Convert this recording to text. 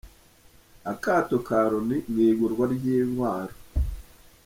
Akato ka Loni mu igurwa ry’intwaro.